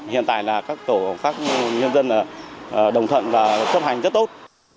hiện tại là các tổ các nhân dân đồng thuận và chấp hành rất tốt